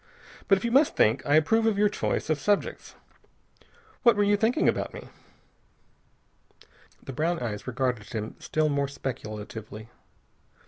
But if you must think, I approve of your choice of subjects. What were you thinking about me?" The brown eyes regarded him still more speculatively.